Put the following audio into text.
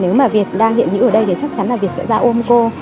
nếu mà việt đang hiện những ở đây thì chắc chắn là việt sẽ ra ôm cô